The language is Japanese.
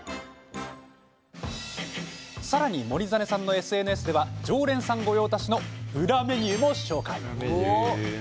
さらに、守實さんのＳＮＳでは常連さん御用達の裏メニューも紹介。